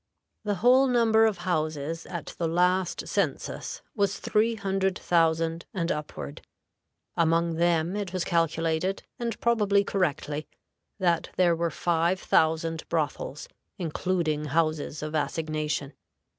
The whole number of houses at the last census was three hundred thousand and upward. Among them it was calculated, and probably correctly, that there were five thousand brothels, including houses of assignation.